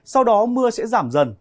sau đó mưa sẽ giảm dần